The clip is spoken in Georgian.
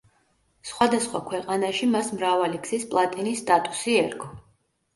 სხვადასხვა ქვეყანაში მას მრავალი გზის პლატინის სტატუსი ერგო.